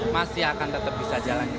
masih akan tetap bisa jalan